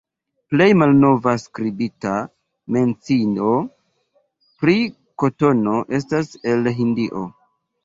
Plej malnova skribita mencio pri kotono estas el Hindio.